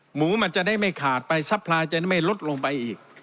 หมูมันจะได้ไม่ขาดไปซัพพลายจะได้ไม่ลดลงไปอีก